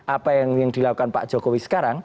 apa yang dilakukan pak jokowi sekarang